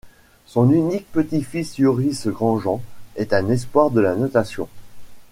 Son unique petit-fils Yoris Grandjean est un espoir de la natation.